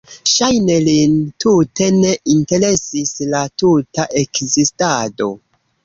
Ŝajne lin tute ne interesis la tuta ekzistado.